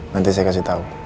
nanti saya kasih tau